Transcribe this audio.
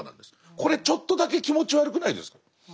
これちょっとだけ気持ち悪くないですか。